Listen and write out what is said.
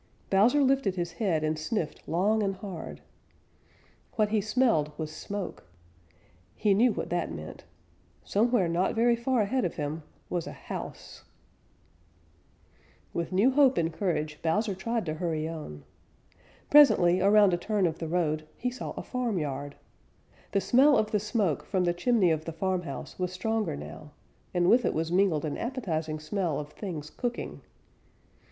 Bowser lifted his head and sniffed long and hard. What he smelled was smoke. He knew what that meant. Somewhere not very far ahead of him was a house. [Illustration: SOMEWHERE NOT VERY FAR AHEAD OF HIM WAS A HOUSE. Page 96.] With new hope and courage Bowser tried to hurry on. Presently around a turn of the road he saw a farmyard. The smell of the smoke from the chimney of the farmhouse was stronger now, and with it was mingled an appetizing smell of things cooking.